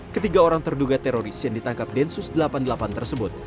ketiga orang terduga teroris yang ditangkap densus delapan puluh delapan tersebut